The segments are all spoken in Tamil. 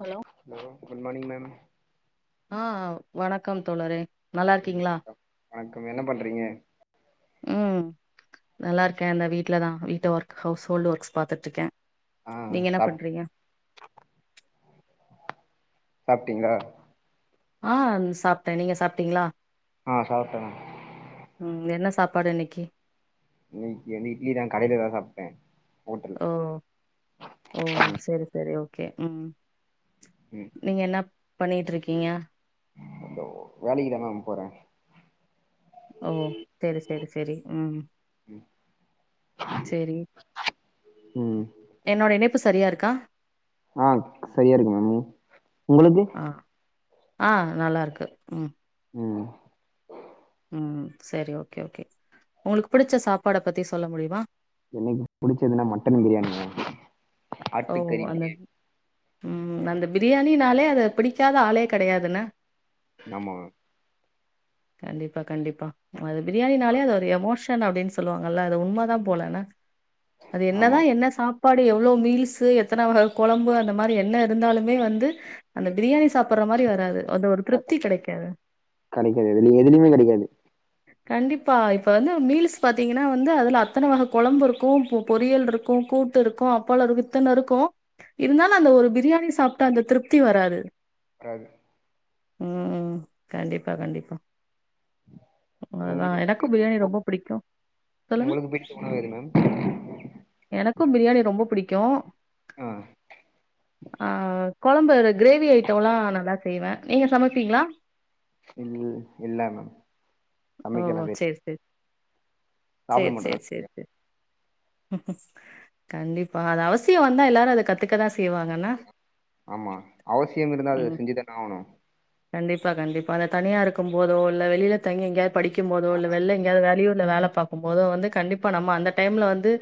Hello hello good morning ma'am ஆ வணக்கம் தோழரே நல்லா இருக்கீங்களா வணக்கம் என்ன பண்றீங்க ம் நல்லா இருக்கே இந்த வீட்ல தா வீட்டு ஒர்க் ஹவுஸ் ஹோல்டு ஒர்க்ஸ் பாத்துட்டு இருக்கே ஆ நீங்க என சாப் பண்றீங்க சாப்டீங்களா ஆ சாப்ட்டே நீங்க சாப்ட்டீங்களா ஆ சாப்ட்டேங்க ம் என சாப்பாடு இன்னிக்கு இன்னிக்கு வந்து இட்லி தா கடையில தா சாப்ட்ட கடயிலதா சாப்ட ஓ ஓ ஓ சேரி சேரி ஓகே ம் ம் நீங்க என பண்ணிகிட்ருக்கீங்க இதோ வேலைக்குதா மேம் போறே ஓ சேரி சேரி சேரி ம் சேரி ம் என்னோட இணைப்பு சரியா இருக்கா ஆ சரியா இருக்கு மேம் உங்குளுக்கு ஆ ஆ நல்லா இருக்கு ம் ம் ம் சேரி ஓகே ஓகே உங்குளுக்கு புடிச்ச சாப்பாடு பத்தி சொல்ல முடியுமா எனக்கு புடிச்சதுன்னா மட்டன் பிரியாணி மேம் ஓ ஆட்டுக்கறி அந்த பிரியாணி ம் அந்த பிரியாணினாலே அத பிடிக்காத ஆளே கெடையாதுண்ண ஆமாங்க கண்டிப்பா கண்டிப்பா அது பிரியாணினாலே அது ஒரு எமோஷன் அப்டின்னு சொல்லுவாங்கல்ல அது உண்ம தா போலன்ன அது ஆமா எனதா என்ன சாப் பாடு எவ்ளோ மீல்ஸ்சு எத்தன வக கொலம்பு அந்த மாரி என்ன இருந்தாலுமே வந்து அந்த பிரியாணி சாப்பற மாரி வராது அந்த ஒரு திருப்தி கெடைக்காது கெடைக்காது எதுலியுமே கெடைக்காது கண்டிப்பா இப்ப வந்து மீல்ஸ் பாத்தீங்கன்னா வந்து அதுல அத்தன வக கொலம்பு இருக்கு பொரியல் இருக்கு கூட்டு இருக்கு அப்பளோ இருக்கு இத்தன இருக்கு இருந்தாலு அந்த ஒரு பிரியாணி சாப்ட்ட அந்த திருப்தி வராது ஆமா ம் கண்டிப்பா கண்டிப்பா அதுதா உங்க எனக்கு பிரியாணி உங்களுக்கு ரொம்ப பிடிக்கு சொல்லுங்க உங்களுக்கு பிடித்த உணவு எது மேம் எனக்கு பிரியாணி ரொம்ப பிடிக்கு ஆ ஆ கொழம்பு கிரேவி ஐட்டம்லா நல்லா செய்வே நீங்க சமைப்பீங்களா இல் இல்ல மேம் ஓ சமைக்கலா ஓ தெரி சேரி சேரி சாப்பிட சேரி சேரி சேரி மாட்டேனா சேரி கண்டிப்பா அது அவசியோ வந்தா எல்லாரு அத கத் துக்க தா செய்வங் அப்டியா ஆமா அவசியோ இருந்தா அது ம் செஞ்சு தான ஆவுணு கண்டிப்பா கண்டிப்பா அத தனியா இருக்கு போதோ இல்ல வெளியில தங்கி எங்கயாவது படிக்கு போதோ இல்ல வெளிய ய வெளியூர்ல வேல பாக்கு போதோ வந்து கண்டிப்பா நம்ம அந்த டைம்ல வந்து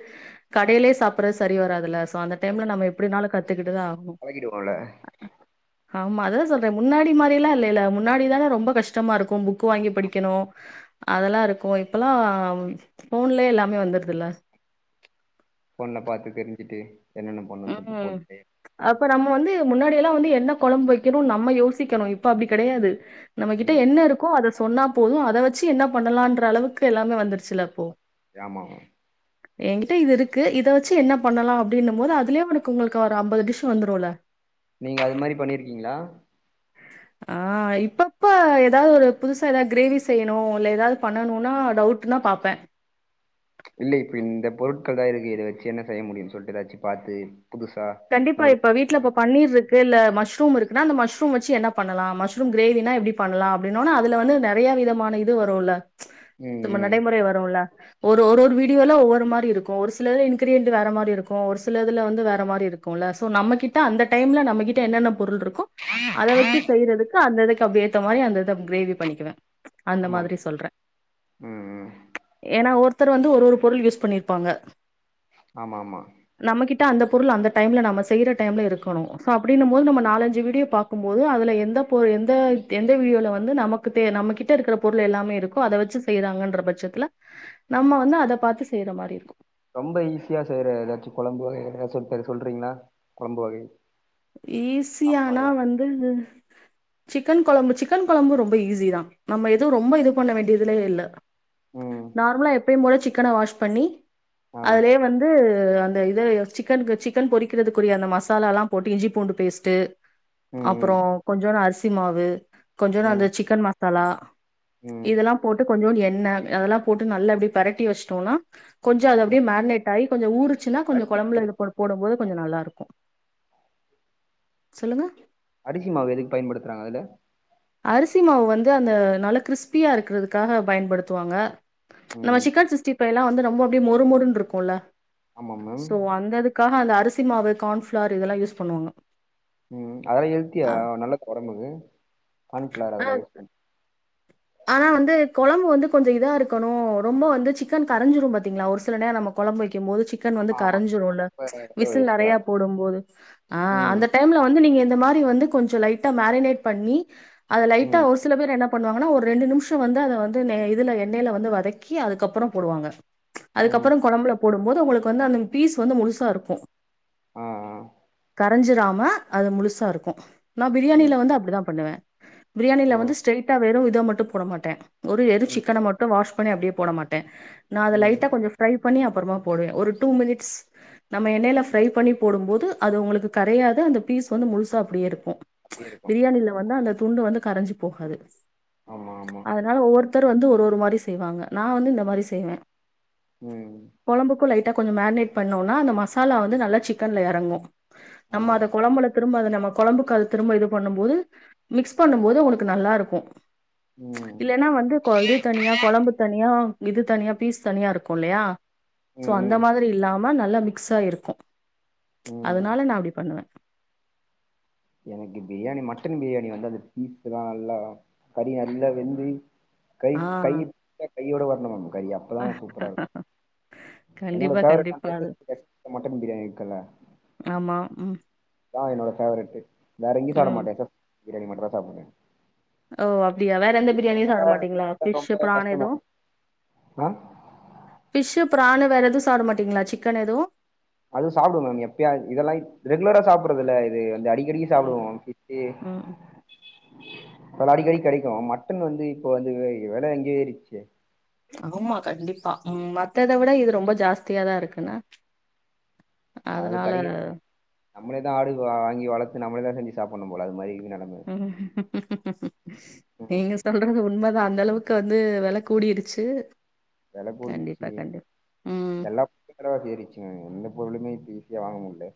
கடைலயே சாப்ட்றது சரி வராதுல்ல சோ அந்த டைம்ல நம்ம எப்டினாலு கத்துகிட்டுதா ஆவ் பழகிடுவோல்ல ஆமா அததா சொல்ற முன்னாடி மாரில்லா இல்லல்ல முன்னாடிதா ரொம்ப கஷ்டமா இருக்கு புக் கு வாங்கி படிக்கணு அதெல்லா இருக்கு இப்பல்லா ஃபோன்லே எல்லாமே வந்துருதுல்ல ஃபோன்ல பாத்து தெரிஞ்சுட்டு என்னென்ன பண்ணுன் சொல்ட்டு ம் போட்டு அப்ப நம்ம வந்து முன்னாடிலா வந்து என்ன கொழம்பு வெக்கணுன் நம்ம யோசிக்கணு இப்ப அப்டி கெடையாது நம்மகிட்ட ம் என்ன இருக்கோ அத சொன்னா போது அத வச்சு என்ன பண்ணலான்ற அளவுக்கு எல்லாமே வந்துர்ச்சுல இப்போ யாமா ஏகிட்ட இது இருக்கு இத வச்சு என்ன பண்ணலா அப்டின்னு போது அ துலுயே உனக்கு உங்ளுக்கு ஒரு அம்பது டிஷ் வந்துருல்ல நீங்க அது மாரி பண்ணிருகீங்ளா ஆ இப்பப்ப ஏதாவ்து ஒரு புதுசா எதா க்ரேவி செய்யணு இல்ல ஏதாவ்து பண்ணணுனா டவுட் டுனா பாப்பே இல்ல இப்ப இந்த பொருட்கள் தா இருக்கு இத வெச்சி என்ன செய்ய முடியுன் சொல்ட்டு ஏதாச்சு பாத்து புதுசா கண்டிப்பா உங்களுக்கு இப்ப வீட்ல தெரியாம இப்போ பன்னீர்ருக் கு இல்ல மஷ்ரூம் இருக்குனா அந்த மஷ்ரூம் வச்சி என்ன பண்ணலா மஷ்ரூம் க்ரேவினா எப்டி பண்லா அப்டின் னோனா அதுல வந்து நெறையா விதமான இது வருல்ல ம் [unintelligible] ம் நடைமுறை வருல்ல ஒரு ஒரு ஒரு வீடியோல ஒவ்வொரு மாரி இருக்கு ஒரு சிலது இன்க்ரியன்ட் வேற மாரி இருக்கு ஒரு சில இதுல வந்து வேற மாரி இருக் குல்ல ஸோ நம்மகிட்ட அந்த டைம்ல நம்மகிட்ட என்னென்ன பொருள் இருக்கோ அத வச்சி செய்றதுக் கு அந்த இதுக்கு அப்டி ஏத்த மாரி அந்தந்த க்ரேவி பண்ணக்குவே அந்த ஆமா மாதிரி சொல்ற ம் ம் ஏனா ஒருத்தர் வந்து ஒரு ஒரு பொருள் யூஸ் பண்ணிருப்பாங்க ஆமா ஆமா நம்ம கிட்ட அந்த பொருள் அந்த டைம்ல நம்ம செய்ற டைம்ல இருக்கணு ஸோ அப்டின்ன போது நம்ம நாலஞ்சு வீடியோ பாக்குபோது அதுல எந்த பொருள் எந்த எந்த வீடியோல வந்து நமக்கு தே நம்ம கிட்ட இருக்குற பொருள் எல்லாமே இருக்கோ அத வச்சு செய்றாங்கன்ற பட்சத்துல நம்ம வந்து அத பாத்து செய்ற மாரி இருக்கு ரொம்ப ஈஸியா செய்ற ஏதாச்சு கொழம்பு வகை ஏதாச்சு இருந்தா எனக் சொல்றீங்ளா கொழம்பு வகை சாப்பாடு ஈஸியானா வகை வந்து சிக்கன் கொளம்பு சிக்கன் கொளம்பு ரொம்ப ஈஸி தா நம்ம எது ரொம்ப இது பண்ண வேண்டியதுல்லே இல்ல ம் நார்மலா எப்பயுபோல சிக்கன வாஷ் பண்ணி ஆ அதுலயே வந் து அந்த இது எ சிக்கன்க்கு சிக்கன் பொறிக்கறதுக்குரிய அந்த மசாலால்லா போட்டு இஞ்சி பூண்டு பேஸ்ட்டு ம் ம் அப்பறோ கொஞ்சோடு அரிசி மாவு கொஞ்சோடு ம் அந்த சிக்கன் மசாலா ம் இதெல்லா போட்டு கொஞ்சோன்டு எண்ண அதெல்லா போட்டு நல்லா அப்டே பெரட்டி வெஷ்ட்டோன்னா கொஞ்சோ அது ஆ அப்டே மேக்னெட் ஆயி கொஞ்சோ ஊருச்சினா கொஞ்சோ அரிசி மாவு கொழம்புல இத எதுக்கு ப போட போது பயன்படுத்துறாங்க கொஞ்சோ நல்லா இருக்கு சொல்லுங்க அரிசி மாவு எதுக் பயன்படுத்துறாங்க அதுல அரிசி மாவு வந்து அந்த நல்லா கிறிஸ்பியா இருக்குறதுக்காக பயன்படுத்துவாங்க நம்ம ம் சிக்கன் சிஸ்டிஃபைலா வந்து ரொம்ப அப்டே மொறு மொறுன்ருக்குல்ல ஆமா மேம் சோ அந்ததுக்காக அந்த அரிசி மாவு கான்ஃப்ளார் இதெல்லா யூஸ் பண்ணுவாங்க ம் அதெல்லா எல்தியா ஆ நல்ல கொரம்புக்கு கான்ஃப்ளார் ஆ அதெல்லா யூஸ் பன் ஆனா வந்து கொழம்பு வந்து கொஞ்சோ இதா இருக்கணு ரொம்ப வந்து சிக்கன் கரஞ்சிரும் பாத்தீங்ளா ஒரு சில நேர நம்மக் கொழம்பு வைக்கு மோது சிக்கன் வந்து ஆமா ஆமா கரஞ்சிருல்ல இப்ப இப்ப விசில் வேஸ்டா நெறையா போடு போது ஆ ம் அந்தக் டைம்ல வந்து நீங்க இந்த மாரி வந்து கொஞ்சோ லைட்டா மேரினேட் பண்ணி அத லைட்டா ம் ஒரு சில பேர் என்ன பன்னுவாங் கனா ஒரு ரெண்டு நிம்ஷோ வந்து அத வந்து நே இதுல எண்ணெய்ல வந்து வதக்கி அதுக்கப்பறோ போடுவாங்க ம் அதுக்கப்பறோ கொழம்புல போடுபோது உங்குளுக்கு வந்து அந்த பீஸ் வந்து முழுசா இருக்கு ஆ ஆ கரஞ்சிராம அது முலுசா இருக்கு நா ப்ரியாணில ம் வந்து அப்டிதா பண்ணுவே ஓ ப்ரியாணில வந்து ஸ்ட்ரெய்ட்டா வெறு இத மட்டு போட மாட்டே ஒரு எரு ம் சிக்கன மட்டு வாஷ் பண்ணி அப்டியே போட மாட்டே நா அத ம் லைட்டா கொஞ்சோ ஃப்ரை பண்ணி அப்றமா போடுவே ஒரு டூ மினிட்ஸ் நம்ம எண்ணெய்ல ஃப்ரை பண்ணி போடும்போது அது உங்ளுக்கு கரையாத அந்த பீஸ் வந்து முழுசா அப்டியே இருக்கு அப்படியே இருக்கும் பிரியாணில வந்து அந்த துண்டு வந்து கரஞ்சி போகாது ஆமா ஆமா அதனால ஒவ்வொருத்தரு வந்து ஒரு ஒரு மாரி செய்வாங்க நா வந்து இந்த மாரி செய்வே ம் கொழம்புக்கு லைட்டா கொஞ்சோ மேர்ட்னேட் பண்ணோனா அந்த மசாலா வந்து நல்லா சிக்கன்ல எறங்கு நம்ம ஆமா அத கொழம்பலத்து திரும்ப அத நம்ம கொழ்ம்புக்கல் திரும்ப இது பண்ணும் போது மிக்ஸ் பண்ணும் போது ஒனுக்கு நல்லாருக்கு ம் இல்லேனா வந்து கொ இது தனியா கொழம்பு தனியா இது தனியா பீஸ் தனியா இருக்கு இல்லையா சோ ம் அந்த ம் மாதிரி இல்லாம நல்லா மிக்ஸாயிருக்கு ம் அதனால நா அப்டி பண்ணுவே எனக்கு பிரியாணி மட்டன் பிரியாணி வந்து அந்த பீஸ்லா நல்லா கறி நல்லா வெந்து ஆ கைப் கையி பிச்சாக் கையோட வர்ணு மேம் கறி அப்பதா சூப்பராருக் என்னோட கண்டிப்பா ஃபேவரெட் கண்டிப்பா அந்த அது [unintelligible] மட்டன் பிரியாணி இருக்குல்ல ஆமா ம் அதா என்னோட ஃபேவரெட்டு வேற எங்கியு சாப்ட ம் மாட்டே எஸ் எஸ் பிரியாணி மட்டுந்தா சாப்டுவே ஓ அப்டியா வேற எந்த பிரியாணியு சாப்ட மாட்டீங்ளா ரொம்ப ஃபிஷ்ஷு ஃபிரானு கஷ்டமா எதுவு இருக்கு ஆ ஃபிஷ்ஷு பிரானு வேற எதுவு சாப்ட மாட்டிங்ளா சிக்கன் எதுவு அதுவு சாப்டுவே மேம் எப்பயாது இதெல்லா இப் ரெகுலரா சாப்பறதுல்ல இது வந்து அடிக் கிரியு ம் சாப்டுவோ கிட்டி ம் கல அடிக்கடி கெடைக்கு மட்டன் வந்து இப்போ வந்து வெல எங்கியே ஏரிச்சே ஆமா கண்டிப்பா ம் மத்தத விட இது ரொம்ப ஜாஸ்தியாதா இருக்குனா அது கடகி நம்மளேதா ஆடு வாங்கி வளத்து நம்மளேதா செஞ்சி சாப்புன்னும் போல அது மாரி இகிது நெலம ம் ம். நீங்க சொல்றது உண்மதா அந்தளவுக்கு வந்து வெல கூடிடுச்சு வெல கூடிட்ச்சி ம் எல்லா [inaudible] ஏறிச்சுங்க எந்த பொருளுமே இப்ப ஈஸியா வாங்க முல்ல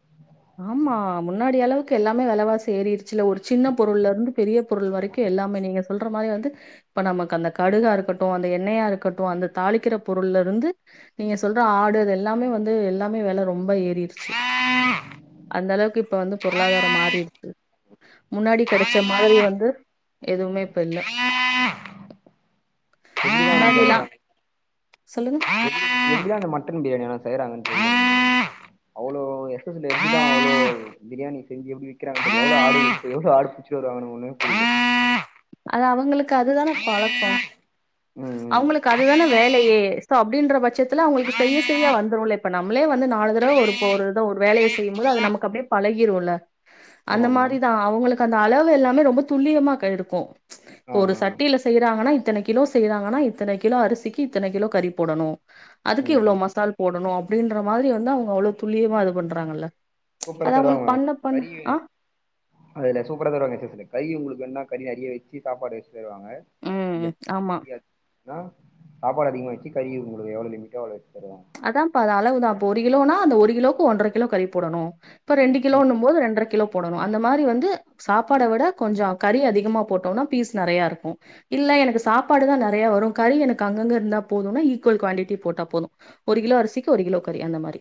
ஆமா முன்னாடி அளவுக்கு எல்லாமே வெலவாசி ஏறிர் சில்ல ஒரு சின்னப் பொருள்லருந்து பெரியப் பொருள் வரைக்கு எல்லாமே நீங்க சொல்ற மாரி வந்து இப்ப நமக்கு அந்த கடுகா இருக்கட்டு அந்த எண்ணெயா இருக்கட்டு அந்த தாளிக்கிற பொருள்லருந்து நீங்க சொல்ற ஆடு அது எல்லாமே வந்து எல்லாமே வெல ரொம்ப ஏறிருச்சு அந்தளவுக்கு இப்ப வந்து பொருளாதாரம் மாறி இருக்கு முன்னாடி கெடச்ச மாதிரி வந்து எதுவுமே இப்ப இல்ல முன்னாடியிலா முடியல சொல்லுங்க [inaudible] அந்த மட்டன் பிரியாணி வேணா செய்றாங்கன்னு [inaudible] அவ்ளோ [inaudible] பிரியாணி செஞ்சி எப்டி விக்கறாங்க பாத்திங்ளா [unintelligible] [unintelligible] அது அவுங்களுக்கு அதுதான பழக்கோ ம் ம் அவுங்குளுக்கு அதுதானே வேலையே சோ அப்டின்ற பட்சத்துல அவுங்குளுக்கு செய்ய செய்ய வந்துருலேப் இப்ப நம்ளே வந்து நாலு தரவ ஒரு இப்ப ஒரு இத ஒரு வேலைய செய்யும் போது அது நமக்கு அப்டியே பழகிருல்ல அந்த ஆமா மேம் மாரிதா அவுங்குளுக்கு அந்த அளவு எல்லாமே ரொம்ப துல்லியமா க எடுக்கு இப்ப ஆ ஒரு ஆ சட்டில செய்றாங்கனா இத்தனக்கி கிலோ செய்றாங்கனா இத்தன கிலோ அரிசிக்கு இத்தன கிலோ கறி போடணு அதுக்கு ம் இவ்ளோ ம் மசால் போடணு அப்டின்ற மாதிரி வந்து அவுங்க அவ்ளோத் துல்லியமா இது பண்றாங்கல்ல அது சூப்பராத் அவங்களுக்கு தருவாங்ளா மேம் பண்ண பண்ண கறி ஆ வேண் அதுல சூப்பரா தருவாங்க எஸ் எஸ்ல கறி உங்குளுக்கு வேண்ணா கறி நெறிய வெச்சி சாப்பாடு வெச்சி தருவாங்க ம் இல்லக் ஆமா கறியாக் னா சாப்பாடு அதிகமாச்சு கறி உங்களுக்கு எவ்ளோ லிமிட்டோ அவ்ளோ வச்சுத்தருவாங்க அதாப்பா அது அளவுதா இப்ப ஒரு கிலோனா அந்த ஒரு கிலோக்கு ஒன்றர கிலோ கறி போடணு ப்ப ரெண்டு ம் கிலோண்ணும் போது ரெண்டர கிலோ போடணு அந்த மாரி வந்து சாப்பாட விட கொஞ்சோ கறி அதிகமா போட்டோன்னா பீஸ் நெறையா இருக்கு இல்ல எனக்கு சாப்பாடு தா நறைய வரு கறி எனக்கு அங்கங்க இருந்தா போதுன்னா ஈக்குவல் குவாடிட்டி போட்டா போது ஒரு கிலோ அரிசிக்கு ஒரு கிலோ கறி அந்த மாரி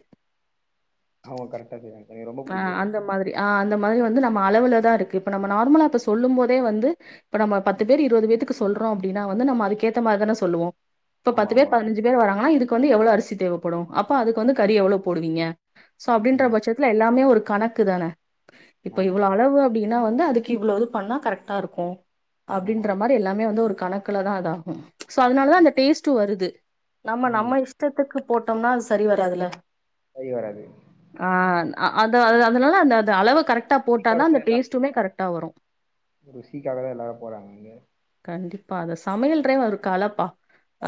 ஆமா கரெக்டா செய்வாங் அ அந்த மாதிரி ஆ அந்த மாதிரி வந்து நம்ம அளவுலதா இருக்கு இப்ப நம்ம நார்மலா அப்ப சொல்லும் போதே வந்து இப்ப நம்ம பத்து ம் பேரு இருவது பேத்துக்கு சொல்றோ அப்டினா வந்து நம்ம அதுக்கேத்த மாரிதான சொல்லுவோ இப்ப ஆமா பத்து பேர் ஆமா பதினஞ்சு பேர் வராங்கனா இதுக்கு வந்து எவ்ளோ அரிசி தேவப்படு அப்ப அதுக்கு வந்து கறி எவ்ளோ போடுவீங்க சோ அப்டின்ற ம் பட்ச துல எல்லாமே ஒரு கணக்கு தான இப்ப ஆமா இவ்ளோ ஆமா அளவு ப்டின்னா வந்து அதுக்கு இவ்ளோது பண்ணா கரெக்ட்டா இருக்கு ஆமா ஆமா அப்படின்ற மாரி எல்லாமே வந்து ஒரு கணக் குல தா அதாகும் சோ அதனால தா ம் அந்த டேஸ்ட்டு வருது நம்ம ம் நம்ம இஸ்டதுக்கு போட்டம்னா அது சரி வராதுல சரி வராது அ அது ஒரு அது அதனால அந்த அத அளவ டீ கரெக்டா டீ போட்டாதா அந்த காரத்துல டேஸ்ட்டுமே கரெக்டா வரு ருசிக்காக தா எல்லாரு போறாங்க அங்க கண்டிப்பா அத சமையல்ரே ஒரு கலப்பா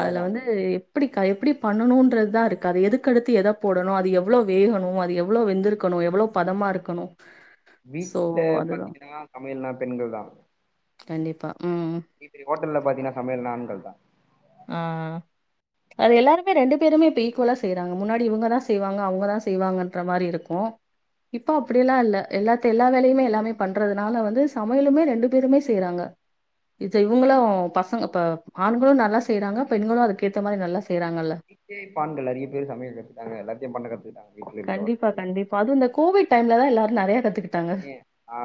அதுல வந்து எப்டிக்கா எப்டி பண்ணணுன்றது தா இருக்கு அது எதுக்கடுத்து எத போடணு அது எவ்ளோ வேகணு அது எவ்ளோ வெந்துருக் க்கணு எவ்ளோ பதமா இருக்கணு வீட்ல பாத்திங்கன்னா சமையல்னா பெண்கள் தா கண்டிப்பா ம் பெரி பெரிய ஹோட்டல்ல பாத்தின்னா சமையல்னா ஆண்கள் தா ஆ அது எல்லாருமே ரெண்டு பேருமே இப்ப ஈக்குவலா செய்றாங்க முன்னாடி இவுங்கதா செய்வாங்க அவுங்கதா செய்வாங்கன்ற மாரி இருக்கு இப்ப அப்டியல்லா இல்ல எல்லாத்த எல்லா வேலையுமே எல்லாமே பண்றதுனால வந்து சமையலுமே ரெண்டு பேருமே செய்றாங்க இத இவங்களு பசங்க இப்ப ஆண்களு நல்லா செய்றாங்க பெண்களு அதுக்கேத்த மாரி நல்லா செய்றாங்கல்ல இப்பே பான்கள் நெறைய பேர் சமயல் கத்துட்டாங்க எல்லாத்தையு பண்ண கத்துக்ட்டாங்க கண்டிப்பா கண்டிப்பா அது இந்த கோவிட் டைம்ல தா எல்லாரு நெறைய கத்துக்கிட் ஆ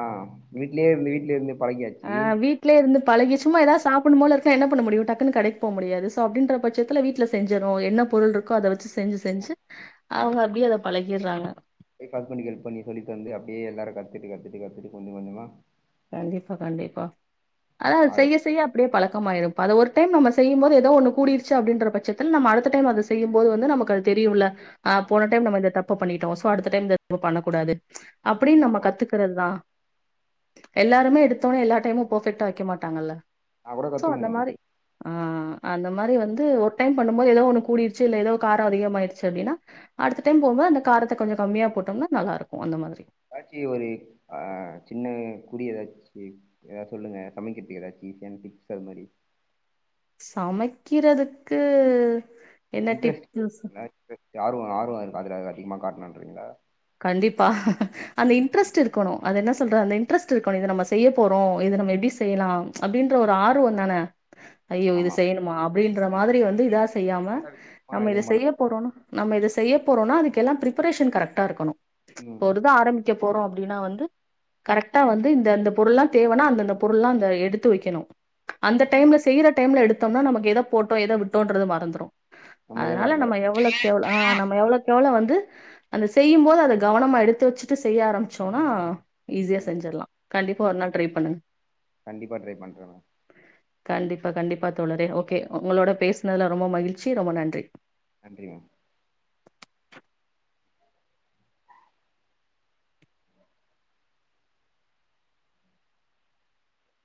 வீட்லயே இருந்து வீட்ல இருந்தே பழகியாச்சு ட்லயே இருந்து பழகி சும்மா ஏதா சாப்புனும் போல இருக்க என்ன பண்ண முடியு டக்குனு கடைக் போ முடியாது சோ அப்டின்ற பட்சத்துல வீட்ல செஞ்சிட்றோ என்ன பொருள் இருக்கோ அத வச்சு செஞ்சு செஞ்சு அவுங்க அப்டியே அத பழகிட்றாங்க போய் ஹல் பண்ணி ஹெல்ப் பண்ணி சொல்லி தந்து அப்டியே எல்லார கத்துட்டு கத்துட்டு கத்துட்டு கொஞ்ச கொஞ்சமா கண்டிப்பா கண்டிப்பா அனா ஆக செய்ய செய்ய அப்டியே பழக்கமாயிரு இப்ப அது ஒரு டைம் நம்ம செய்யும்போது ஏதோ ஒன்னு கூடிடுச்சு அப்டின்ற பட்சத்தில் நம்ம அடுத்த டைம் செய்யும்போது வந்து நமக்கு அது தெரியும்ல ஆ ஆமா போன டைம் நம்ம இந்த தப்ப பண்ணிட்டோ சோ அடுத்த டைம் இந்த [unintelligible] பண்ணக்கூடாது அப்டின் நம்ம ஆமா கத்துக்குறதுதா எல்லாருமே எடுத்தோனே எல்லா டைமு பபெக்ட்டா வக்க மாட்டாங்கல்ல நான் கூட சோ அந்த கத்துக்கணும் மாரி ஆ அந்த மாரி வந்து ஒரு டைம் பண்ணும்போது ஏதோ ஒண்ணு கூடிடுச்சு இல்ல ஏதோ கார அதிகமாயிருச்சு அப்டின்னா அடுத்த டைம் போம்போது அந்த காரத்த கொஞ்ச கம்மியா போட்டம்னா நல்லாருக்கு அந்த மாதிரி ஏதாச்சி ஒரு ஆ சின்ன கூடி ஏதாச்சு ஏதா சொல்லுங்க சமைக்கிறதுக்கு எதாச்சி [unintelligible] டிப்ஸ் அது மாரி சமைக்கிறதுக்கு என்ன இன்ட்ரெஸ்ட் டிப்ஸ் [unintelligible] ஆர்வோ ஆர்வோ அதுல அதிகமா காட்ணன்றிங்களா கண்டிப்பா அந்த இன்ட்ரெஸ்ட் இருக்கணு அது என்ன சொல்றது அந்த இன்ட்ரெஸ்ட் இருக்கணு இத நம்ம செய்ய போறோ இது நம்ம எப்படி செய்யலா அப்டின்ற ஒரு ஆர்வ தான ஐயோ இது ஆமா செய்யணுமா அப்டின்ற மாதிரி வந்து இதா செய்யாம ஆ, நம்ம இதை எதுவும் பண்ண செய்ய போறோனா நம்ம இத செய்ய போறோனா அதுக்கெல்லா பிரிபரேஷன் கரக்டா இருக்கணு இப்ப ம் ஒரு இது ஆரம் க்க போறோ அப்படீன்னா வந்து கரெக்டா வந்து இந்த அந்த பொருள்ல்லா தேவனா அந்தந்த பொருள்ல்லா அந்த எடுத்து வெக்கணு அந்த டைம்ல செய்யுற டைம்ல எடுத்தோம்னா நமக்கு எத போட்டோ எத விட்டோன்றது மறந்துரு நம்மளயே அதனால நம்ம மறந்துறேன் எவ்வளோக்கு எவ்வளோ அ நம்ம எவ்வளோக்கு எவ்வளோ வந்து அந்த செய்யும்போது அத கவனமா எடுத்து வச்சுட்டு செய்ய ஆரம்ச்சோன்னா ஈஸியா ம் செஞ்சுர்லா கண்டிப்பா ஒரு நாள் ட்ரை பண்ணுங்க கண்டிப்பா ட்ரை பண்ணறேன் மேம் கண்டிப்பா கண்டிப்பா தோழரே ஓகே ஒங்களோட பேசுனதுல ரொம்ப மகிழ்ச்சி ரொம்ப நன்றி நன்றிங்க